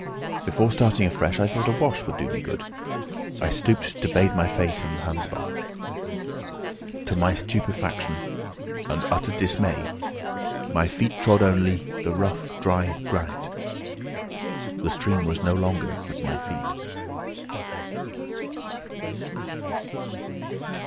Before starting afresh I thought a wash would do me good. I stooped to bathe my face in the Hansbach. To my stupefaction and utter dismay my feet trod only the rough dry granite. The stream was no longer at my feet.